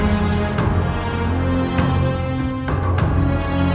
apakah kamu berpikir dirimu